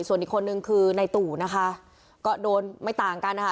ส่วนอีกคนนึงคือในตู่นะคะก็โดนไม่ต่างกันนะคะ